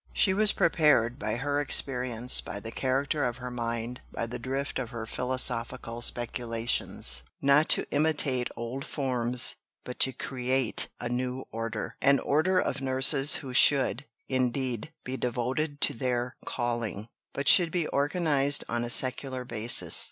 She was prepared, by her experience, by the character of her mind, by the drift of her philosophical speculations, not to imitate old forms, but to create a new order, an order of nurses who should, indeed, be devoted to their calling, but should be organized on a secular basis.